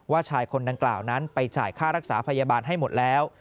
ชายคนดังกล่าวนั้นไปจ่ายค่ารักษาพยาบาลให้หมดแล้ว